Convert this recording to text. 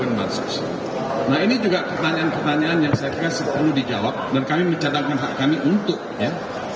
nah ini juga pertanyaan pertanyaan yang saya kira perlu dijawab dan kami mencadangkan hak kami untuk ya